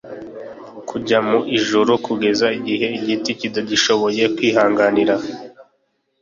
kujya mu ijuru, kugeza igihe igiti kitagishoboye kwihanganira